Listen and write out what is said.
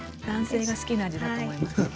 男性が好きな味だと思います。